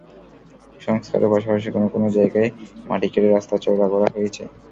সংস্কারের পাশাপাশি কোনো কোনো জায়গায় মাটি কেটে রাস্তা চওড়া করা হয়েছে।